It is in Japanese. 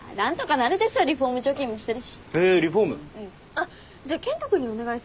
あっじゃあ健人君にお願いすれば？